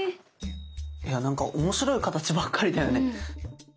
いやなんか面白い形ばっかりだよね。